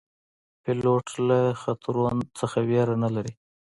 پیلوټ له خطرو نه ویره نه لري.